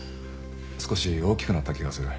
少し大きくなった気がする。